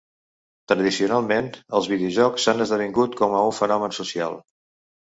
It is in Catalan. Tradicionalment, els videojocs han esdevingut com a un fenomen social.